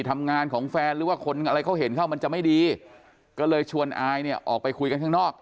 ทำงานของแฟนหรือว่าคนอะไรเขาเห็นเข้ามันจะไม่ดีก็เลยชวนอายเนี่ยออกไปคุยกันข้างนอก